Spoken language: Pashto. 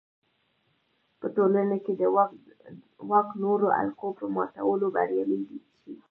په ټولنه کې د واک نورو حلقو په ماتولو بریالی شي.